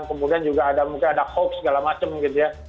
kemudian juga mungkin ada hoax segala macam gitu ya